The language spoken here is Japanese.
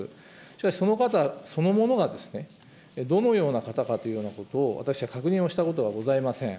しかし、その方、そのものが、どのような方かというようなことを私は確認をしたことはございません。